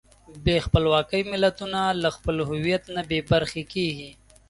بې خپلواکۍ ملتونه له خپل هویت نه بېبرخې کېږي.